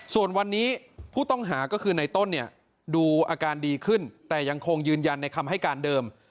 ส่วนวันนี้ผู้ต้องหาก็คือในต้นเนี่ยดูอาการดีขึ้นแต่ยังคงยืนยันในคำให้การเดิม